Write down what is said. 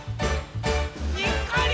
「にっこり」